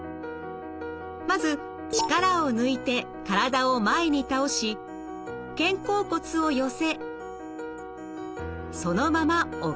まず力を抜いて体を前に倒し肩甲骨を寄せそのまま起き上がる。